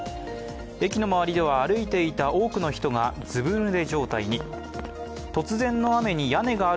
駅の周りでは歩いていた多くの人がずぶぬれ状態に。